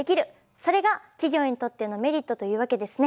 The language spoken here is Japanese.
それが企業にとってのメリットというわけですね。